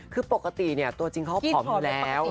คือปกติเนี่ยตัวจริงเขาผอมแล้ว